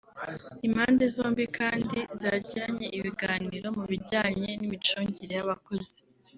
Impande zombi kandi zagiranye ibiganiro mu bijyanye n’imicungire y’abakozi